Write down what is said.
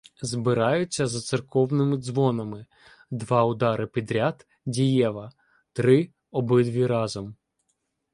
Збираються за церковними дзвонами: два удари підряд — дієва, три — обидві разом.